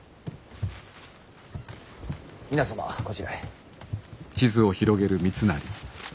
皆様こちらへ。